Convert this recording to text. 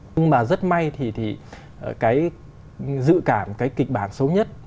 nhưng mà rất may thì cái dự cảm cái kịch bản xấu nhất